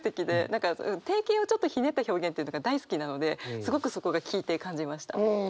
何か定型をちょっとひねった表現というのが大好きなのですごくそこが聞いて感じました。